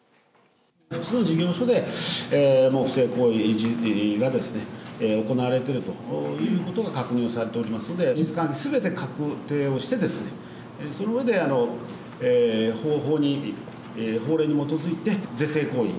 複数の事業所で不正行為が行われているということが確認されておりますので事実関係すべて確定してそのうえで法令に基づいて是正行為